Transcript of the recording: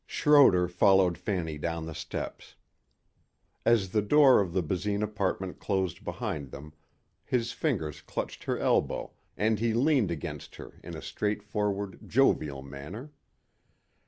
Schroder followed Fanny down the steps. As the door of the Basine apartment closed behind them, his fingers clutched her elbow and he leaned against her in a straightforward, jovial manner.